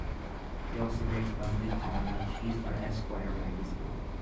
He also writes a monthly column on cheese for Esquire Magazine.